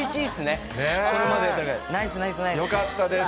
よかったです。